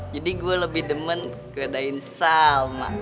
jadi gue lebih demen godain salma